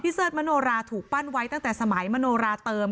เสิร์ชมโนราถูกปั้นไว้ตั้งแต่สมัยมโนราเติม